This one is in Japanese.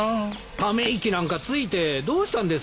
ため息なんかついてどうしたんです？